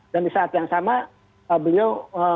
di saat yang sama beliau